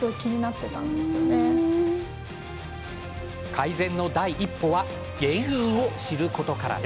改善の第一歩は原因を知ることから。